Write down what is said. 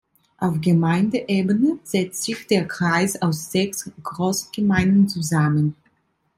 Auf Gemeindeebene setzt sich der Kreis aus sechs Großgemeinden zusammen.